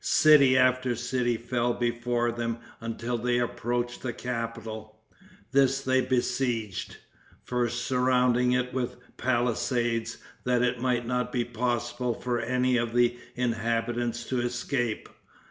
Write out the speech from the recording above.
City after city fell before them until they approached the capital. This they besieged, first surrounding it with palisades that it might not be possible for any of the inhabitants to escape.